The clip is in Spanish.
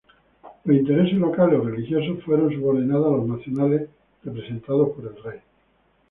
Los intereses locales o religiosos fueron subordinados a los nacionales, representados por el rey.